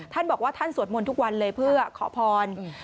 ท่านบอกว่าท่านสวดมนต์ทุกวันเลยเพื่อขอพร